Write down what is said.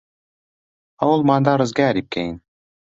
هەوڵمان دا ڕزگاری بکەین.